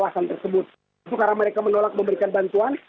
ketika mereka menolak memberikan bantuan